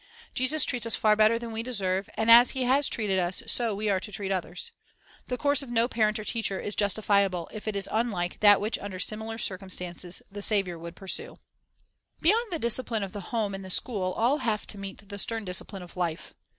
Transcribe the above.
1 Jesus treats us far 'Heb. 5:2 Discipline 295 better than we deserve; and as He has treated us, so we are to treat others. The course of no parent or teacher is justifiable if it is unlike that which under similar circumstances the Saviour would pursue. Meeting Life's Discipline Beyond the discipline of the home and the school, all have to meet the stern discipline of life.